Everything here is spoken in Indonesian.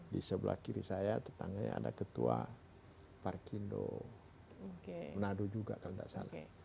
di sebelah kiri saya tetangganya ada ketua parkindo menado juga kalau tidak salah